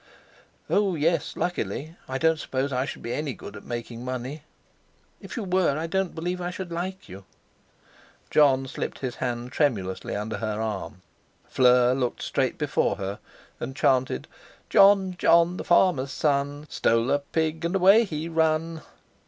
"Oh! yes, luckily; I don't suppose I shall be any good at making money." "If you were, I don't believe I should like you." Jon slipped his hand tremulously under her arm. Fleur looked straight before her and chanted: "Jon, Jon, the farmer's son, Stole a pig, and away he run!"